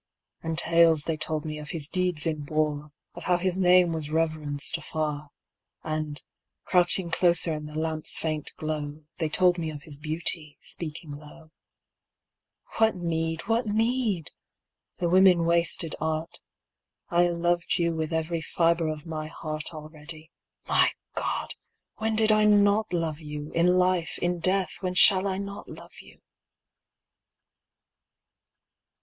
18 Z1RA: IN CAPTIVITY And tales they told me of his deeds in war Of how his name was reverenced afar; And, crouching closer in the lamp's faint glow, They told me of his beauty, speaking low. What need, what need ? the women wasted art; I loved you with every fibre of my heart Already. My God ! when did I not love you, In life, in death, when shall I not love you?